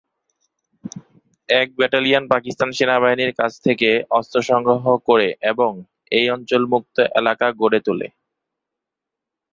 এই ব্যাটালিয়ন পাকিস্তান সেনাবাহিনীর কাছ থেকে অস্ত্র সংগ্রহ করে এবং এই অঞ্চলে মুক্ত এলাকা গড়ে তোলে।